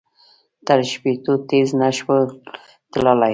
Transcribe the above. تر شپېتو تېز نه شول تللای.